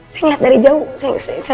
saya ngeliat dari jauh